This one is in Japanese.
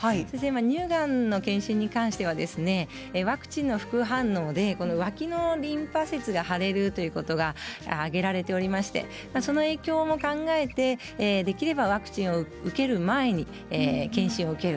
乳がんの検診に関してはワクチンの副反応で脇のリンパ節が腫れるということが挙げられておりましてその影響も考えてできればワクチンを受ける前に検診を受ける。